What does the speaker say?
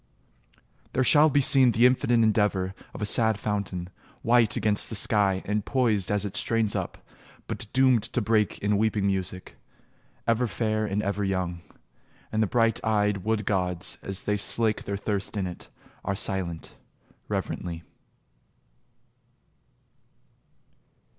There shall be seen the infinite endeavour Of a sad fountain, white against the sky And poised as it strains up, but doomed to break In weeping music; ever fair and ever Young ... and the bright eyed wood gods as they slake Their thirst in it, are silent, reverently